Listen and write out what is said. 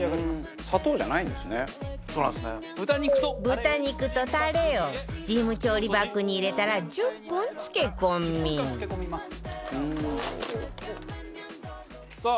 豚肉とタレをスチーム調理バッグに入れたら１０分漬け込みさあ